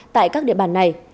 tại các địa bàn này